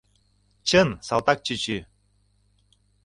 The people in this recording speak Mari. Чын, салтак чӱчӱ!